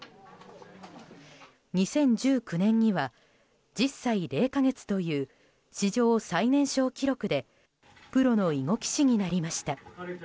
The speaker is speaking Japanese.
２０１９年には１０歳０か月という史上最年少記録でプロの囲碁棋士になりました。